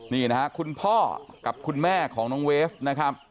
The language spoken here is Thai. นี่นะครับคุณพ่อกับคุณแม่ของน้องเวฟนะครับ